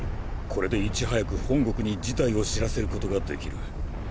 これでいち早く本国に事態を知らせることができる。